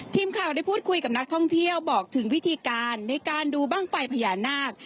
ทีมข่าวได้พูดคุยกับนักท่องเที่ยวบอกถึงวิธีการในการดูบ้างไฟพญานาค